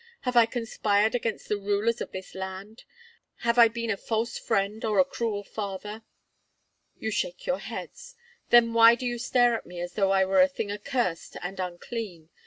Have I conspired against the rulers of this land? Have I been a false friend or a cruel father? You shake your heads; then why do you stare at me as though I were a thing accursed and unclean?